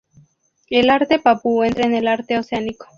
El arte papú entra en el arte oceánico.